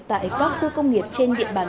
tại các khu công nghiệp trên địa bàn